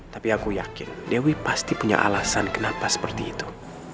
tapi aku yakin dewi pasti punya alasan kenapa seperti itu